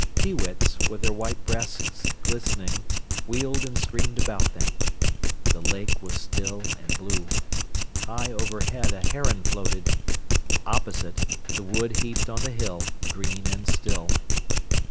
Peewits, with their white breasts glistening, wheeled and screamed about them. The lake was still and blue. High overhead a heron floated. Opposite, the wood heaped on the hill, green and still.